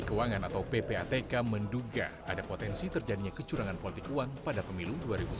keuangan atau ppatk menduga ada potensi terjadinya kecurangan politik uang pada pemilu